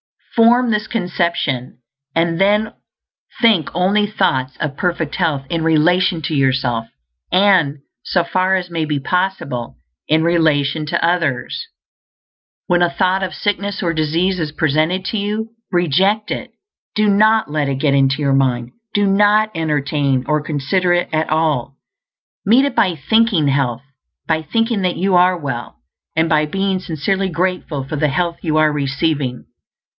Form this conception, and then think only thoughts of perfect health in relation to yourself, and, so far as may be possible, in relation to others. When a thought of sickness or disease is presented to you, reject it; do not let it get into your mind; do not entertain or consider it at all. Meet it by thinking health; by thinking that you are well, and by being sincerely grateful for the health you are receiving.